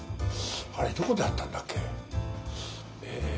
あれどこで会ったんだっけ。